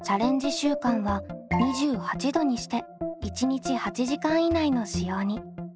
週間は２８℃にして１日８時間以内の使用に。